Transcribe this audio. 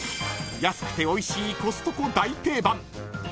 ［安くておいしいコストコ大定番］